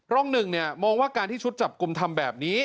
ร่องหนึ่งมองว่าการที่ชุดจับกลุ่มทำแบบนี้